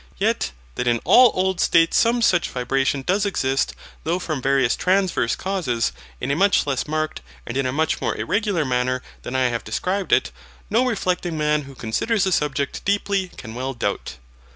Yet that in all old states some such vibration does exist, though from various transverse causes, in a much less marked, and in a much more irregular manner than I have described it, no reflecting man who considers the subject deeply can well doubt.